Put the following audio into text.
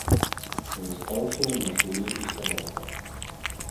Застаўся ў машыне і сабака.